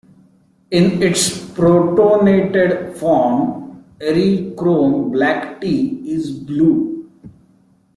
In its protonated form, Eriochrome Black T is blue.